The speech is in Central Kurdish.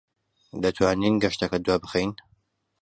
دەتوانین گەشتەکە دوابخەین؟